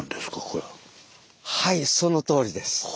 はいそのとおりです。